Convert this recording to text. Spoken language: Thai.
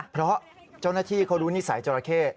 เพราะเจ้าหน้าที่เขารู้นิสัยจราเข้